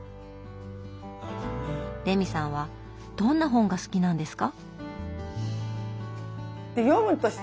レミさんはどんな本が好きなんですか？